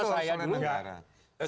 pada masa saya dulu